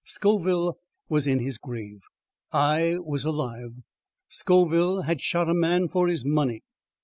Scoville was in his grave. I was alive. Scoville had shot a man for his money.